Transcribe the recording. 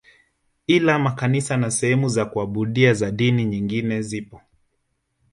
Ila makanisa na sehemu za kuabudia za dini nyingine zipo